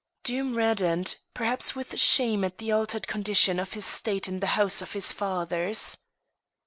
Doom reddened, perhaps with shame at the altered condition of his state in the house of his fathers.